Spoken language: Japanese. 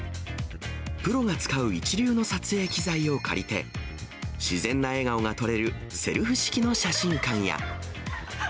プロが使う一流の撮影機材を借りて、自然な笑顔が撮れる、セルフ式の写真館や。